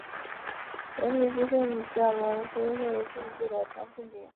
尤里耶夫节或秋季圣乔治节俄罗斯正教会和塞尔维亚正教会庆祝的圣乔治节。